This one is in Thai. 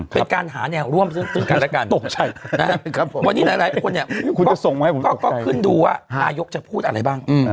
เป็นการหาแอนะและการได้การลุ่มตกวันนี้หลายคนก็ขึ้นดูว่านายกจะพูดอะไรบ้าง